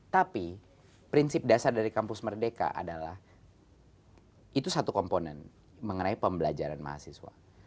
tapi prinsip dasar dari kampus merdeka adalah itu satu komponen mengenai pembelajaran mahasiswa